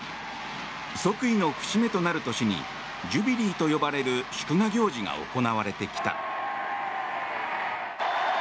即位の節目となる年にジュビリーと呼ばれる祝賀行事が行われてきた。